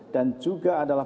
dan juga adalah